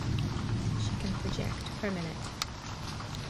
She can project per minute.